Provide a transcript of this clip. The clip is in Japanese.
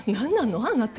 あなた。